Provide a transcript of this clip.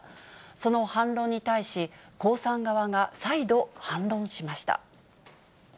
その反論に対し、江さん側が再度反論しました。